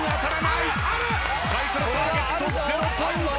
最初のターゲット０ポイント。